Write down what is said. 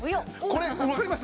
これわかります？